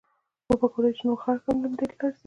وبه ګورې چې نور خلک هم له همدې لارې ځي.